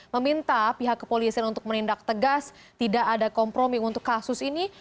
meminta pihak kepolisian untuk menindak tegas tidak ada kompromi untuk kasus ini